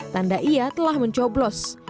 tanda ia telah mencoblos